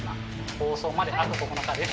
放送まであと９日です